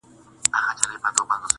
ته رانغلې پر دې لاره ستا قولونه ښخومه٫